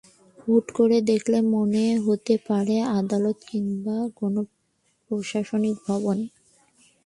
হুট করে দেখলে মনে হতে পারে, আদালত কিংবা কোনো প্রশাসনিক ভবন।